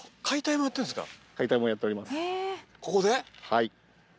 はい。